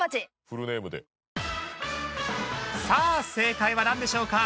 さあ正解はなんでしょうか？